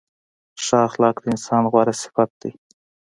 ښه اخلاق د انسان غوره صفت دی.